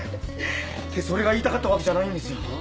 ってそれが言いたかったわけじゃないんですよ。